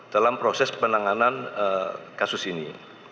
dalam proses penanganan kasus ini